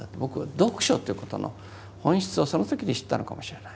読書っていうことの本質をその時に知ったのかもしれない。